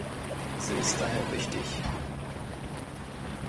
Sie ist daher wichtig.